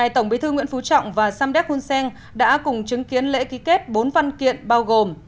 tổng bí thư nguyễn phú trọng và samdek hun sen đã cùng chứng kiến lễ ký kết bốn văn kiện bao gồm